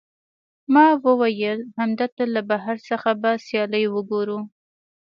ما وویل، همدلته له بهر څخه به سیالۍ وګورو.